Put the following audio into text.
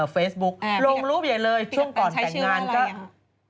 เฟซบุ๊กลงรูปใหญ่เลยช่วงก่อนแต่งงานก็